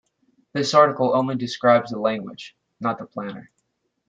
This article only describes the language, not the planner.